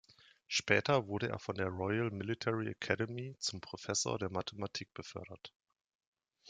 Später wurde er von der Royal Military Academy zum Professor der Mathematik befördert.